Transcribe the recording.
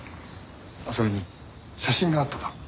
それに写真があっただろ？